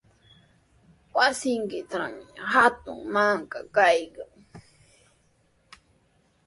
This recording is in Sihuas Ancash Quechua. Wasiykitrawmi hatun mankaa kaykan.